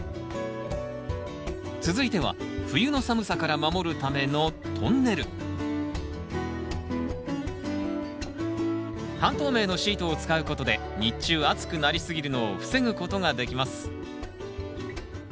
続いては冬の寒さから守るためのトンネル半透明のシートを使うことで日中暑くなりすぎるのを防ぐことができます。